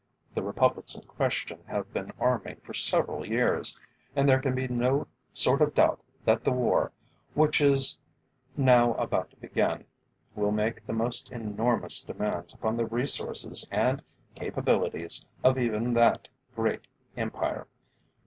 The Republics in question have been arming for several years, and there can be no sort of doubt that the war, which is now about to begin, will make the most enormous demands upon the resources and capabilities of even that great Empire.